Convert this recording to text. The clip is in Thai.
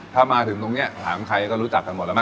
ถ้ามาถึงตรงนี้ถามใครก็รู้จักกันหมดแล้วมั